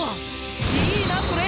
いいなそれ！